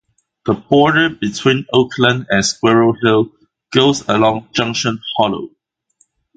The border between Oakland and Squirrel Hill goes along Junction Hollow.